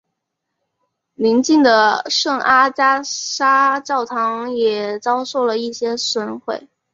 邻近的圣阿加莎教堂也遭受了一些损毁。